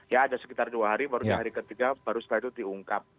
ya ada sekitar dua hari baru di hari ketiga baru setelah itu diungkap